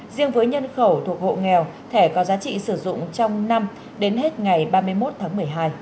riêng với nhân khẩu thuộc hộ nghèo thẻ có giá trị sử dụng trong năm đến hết ngày ba mươi một tháng một mươi hai